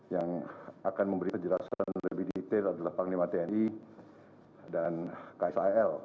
yang akan memberi penjelasan lebih detail adalah panglima tni dan ksal